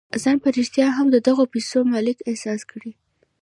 ځان په رښتيا هم د دغو پيسو مالک احساس کړئ.